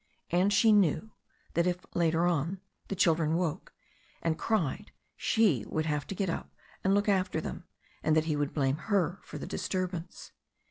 And she knew that if, later on, the children woke up and cried she would have to get up and look after them, and that he would blame her for the disturbance.